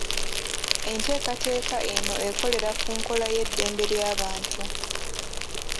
Entekateka eno ekolera ku nkola y'eddembe ly'abantu.